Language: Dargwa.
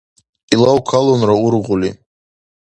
Илав калунра ургъули.